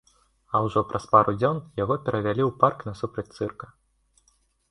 А ўжо праз пару дзён яго перавялі ў парк насупраць цырка.